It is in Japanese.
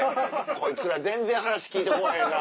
「こいつら全然話聞いてこぉへんな。